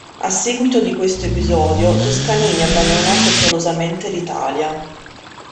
A seguito di questo episodio, Toscanini abbandonò frettolosamente l'Italia.